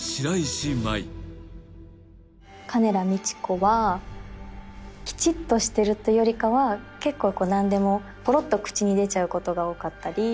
鐘羅路子はきちっとしているというよりか結構何でもポロッと口に出ちゃうことが多かったり。